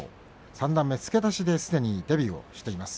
三段目付け出しでデビューしています。